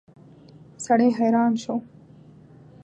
سړی حیران شو.